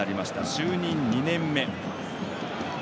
就任２年目。